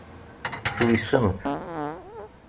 Tuysemt.